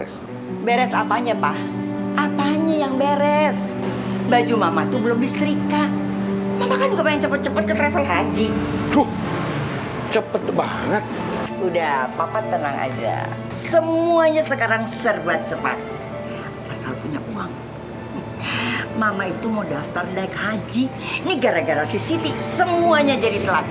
sampai jumpa di video selanjutnya